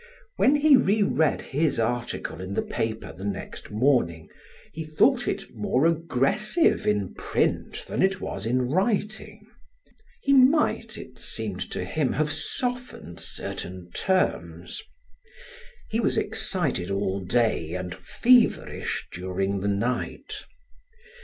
When he re read his article in the paper the next morning, he thought it more aggressive in print than it was in writing. He might, it seemed to him, have softened certain terms. He was excited all day and feverish during the night.